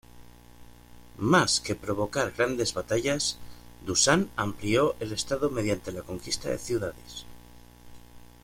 Más que provocar grandes batallas, Dušan amplió el estado mediante la conquista de ciudades.